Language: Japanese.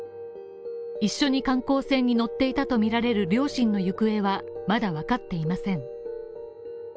一緒に観光船に乗っていたとみられる両親の行方はまだ分かっていません。